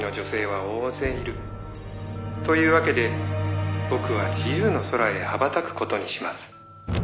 「というわけで僕は自由の空へ羽ばたく事にします」